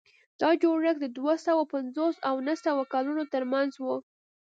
دا جوړښت د دوه سوه پنځوس او نهه سوه کلونو ترمنځ و.